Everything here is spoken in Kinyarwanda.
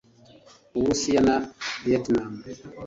u Burusiya na Vietnam